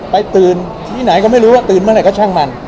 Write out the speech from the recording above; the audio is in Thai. ไปตื่นที่ไหนก็ไม่รู้ว่าตื่นเมื่อไหร่ก็ช่างมัน